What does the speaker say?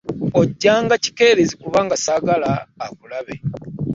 Ojjanga kikeerezi kubanga ssaagala akulabe.